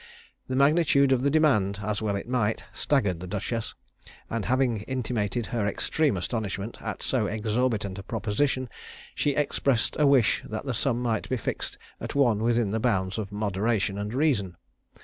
The magnitude of the demand, as well it might, staggered the duchess; and having intimated her extreme astonishment at so exorbitant a proposition, she expressed a wish that the sum might be fixed at one within the bounds of moderation and reason.